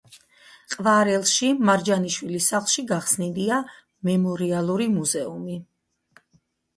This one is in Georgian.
ყვარელში, მარჯანიშვილის სახლში გახსნილია მემორიალური მუზეუმი.